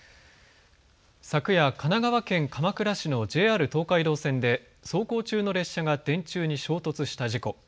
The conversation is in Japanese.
昨夜、神奈川県鎌倉市のＪＲ東海道線で走行中の列車が電柱に衝突した事故。